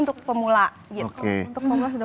untuk pemula satu ratus dua puluh menit